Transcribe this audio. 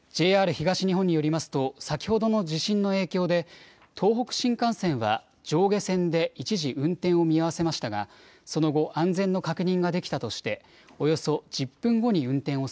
ＪＲ東日本によりますと先ほどの地震の影響で東北新幹線は上下線で一時運転を見合わせましたがその後、安全の確認ができたとしておよそ１０分後に運転を